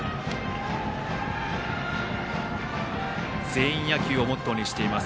全員野球をモットーにしています